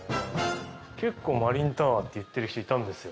結構マリンタワーって言ってる人いたんですよ。